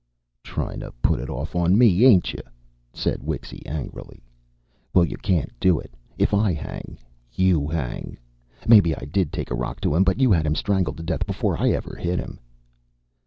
"Tryin' to put it off on me, ain't you!" said Wixy angrily. "Well, you can't do it. If I hang, you hang. Maybe I did take a rock to him, but you had him strangled to death before I ever hit him."